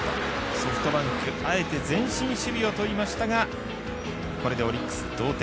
ソフトバンク、あえて前進守備をとりましたがこれでオリックス、同点。